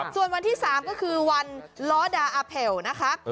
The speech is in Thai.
ส่วนวันที่๓ก็คือวันล้อดาอาแผ่วนะคะ